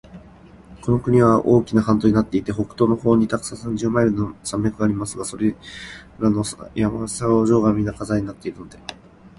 この国は大きな半島になっていて、北東の方に高さ三十マイルの山脈がありますが、それらの山は頂上がみな火山になっているので、